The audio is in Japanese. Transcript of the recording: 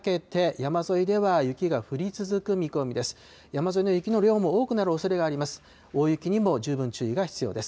山沿いの雪の量も多くなるおそれがあります。